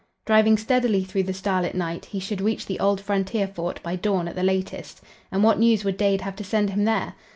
Driving steadily through the starlit night, he should reach the old frontier fort by dawn at the latest, and what news would Dade have to send him there?